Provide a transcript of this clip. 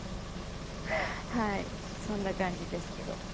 はいそんな感じですけど。